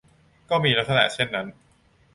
ก็มีลักษณะเช่นนั้น